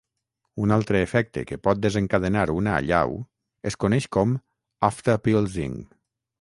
Un altre efecte que pot desencadenar una allau es coneix com "afterpulsing".